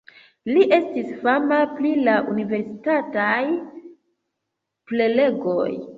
Li estis fama pri la universitataj prelegoj.